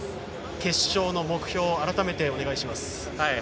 決勝の目標を改めてお願いします。